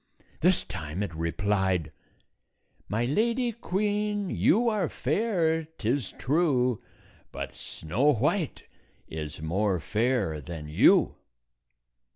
This time it replied, "My Lady Queen, you are fair, 't is true; But Snow White is more fair than you."